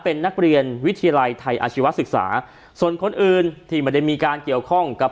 เป็นนักเรียนวิทยาลัยไทยอาชีวศึกษาส่วนคนอื่นที่ไม่ได้มีการเกี่ยวข้องกับ